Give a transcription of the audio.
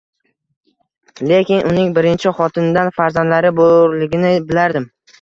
Lekin uning birinchi xotinidan farzandlari borligini bilardim